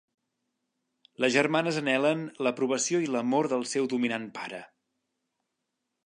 Les germanes anhelen l'aprovació i amor del seu dominant pare.